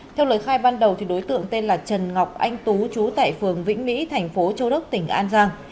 theo lời khai ban đầu đối tượng tên là trần ngọc anh tú trú tại phường vĩnh mỹ thành phố châu đốc tỉnh an giang